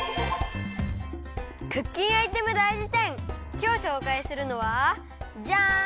きょうしょうかいするのはジャン！